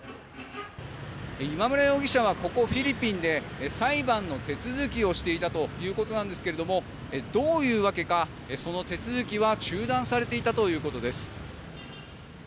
今村容疑者はここフィリピンで裁判の手続きをしていたということなんですけどもどういうわけかその手続きは中断されていたということです。